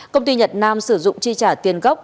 công ty nhật nam sử dụng chi trả tiền gốc